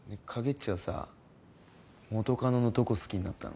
ちはさ元カノのどこ好きになったの？